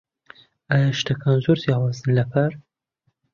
ئایا شتەکان زۆر جیاوازن لە پار؟